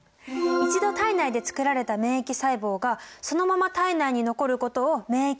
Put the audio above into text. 一度体内でつくられた免疫細胞がそのまま体内に残ることを免疫